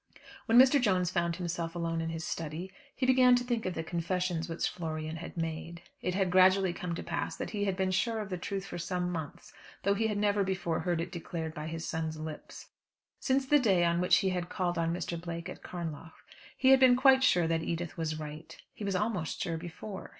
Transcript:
When Mr. Jones found himself alone in his study, he began to think of the confession which Florian had made. It had gradually come to pass that he had been sure of the truth for some months, though he had never before heard it declared by his son's lips. Since the day on which he had called on Mr. Blake at Carnlough, he had been quite sure that Edith was right. He was almost sure before.